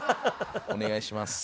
お願いします。